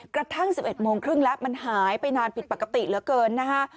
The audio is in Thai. กระทั่ง๑๑โมงครึ่งแล้วมันหายไปนานผิดปกติเหลือเกินนะฮะ